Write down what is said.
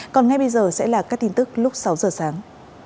còn ngay bây giờ sẽ là các tin tức lúc sáu giờ sáng